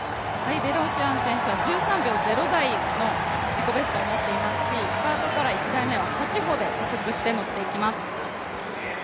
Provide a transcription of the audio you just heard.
ベロシアン選手は１３秒０台のスピードを持っていますし、スタートから１台目は８歩で加速してのっていきます。